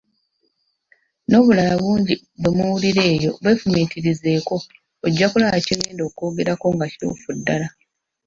N'obulala bungi bwe muwulira eyo bwefumiitirizeeko ojja kulaba kye ngenda okwogerako nga kituufu ddala.